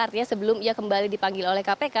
artinya sebelum ia kembali dipanggil oleh kpk